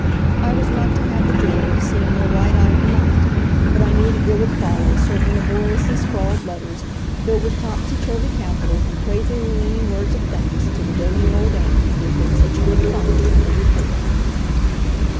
I was not to have the joy of seeing their wide eyed delight, but I knew that there would follow certain laboriously scrawled letters, filled with topsy turvy capitals and crazily leaning words of thanks to the doting old auntie who had been such good fun the summer before.